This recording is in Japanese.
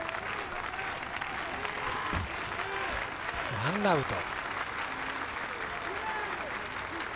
ワンアウト。